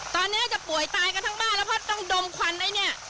ตอนนี้จะป่วยตายกันทั้งบ้านแล้วเพราะต้องดมควันไว้เนี่ย